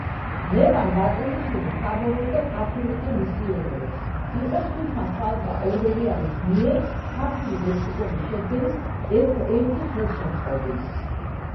ლევან ბატონიშვილი მფარველობდა კათოლიკე მისიონერებს, იყო სულხან-საბა ორბელიანის მიერ ქართული ლექსიკონის შედგენის ერთ-ერთი ხელშემწყობი.